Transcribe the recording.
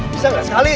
bisa gak sekali